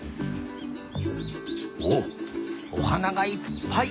おっおはながいっぱい！